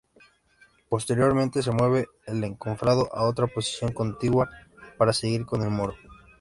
Posteriormente se mueve el encofrado a otra posición contigua para seguir con el muro.